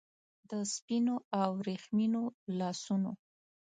د سپینو او وریښمینو لاسونو